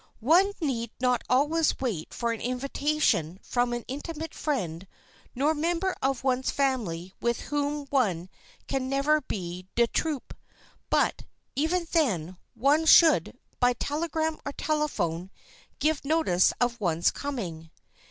One need not always wait for an invitation from an intimate friend, nor member of one's family with whom one can never be de trop, but, even then, one should, by telegram or telephone, give notice of one's coming.